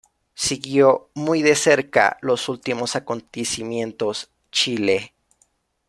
Siguió muy de cerca los últimos acontecimientos Chile.